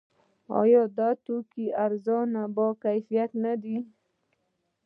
آیا دا توکي ارزانه او باکیفیته نه دي؟